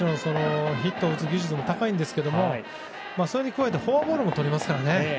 ヒットを打つ技術ももちろん高いんですけどそれに加えてフォアボールもとりますからね。